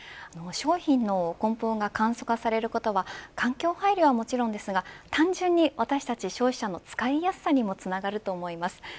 商品の梱包が簡素化されることは環境配慮はもちろんですが単純に私たち消費者の使いやすさにもつながると思います。